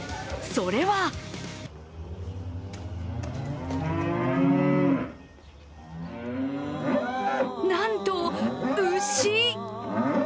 それはなんと、牛！